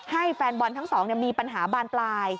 แฟนบอลทั้งสองมีปัญหาบานปลาย